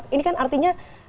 ini kan artinya